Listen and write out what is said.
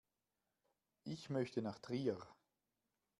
Ich möchte nach Trier